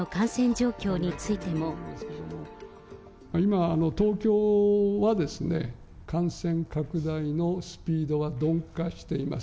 今、東京はですね、感染拡大のスピードは鈍化しています。